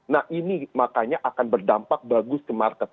nah ini makanya akan berdampak bagus ke market